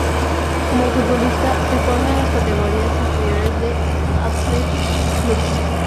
Como futbolista, se formó en las categorías inferiores del Athletic Club.